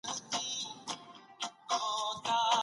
افغانان د سیمې د امنیتي ثبات د خرابولو هڅه نه کوي.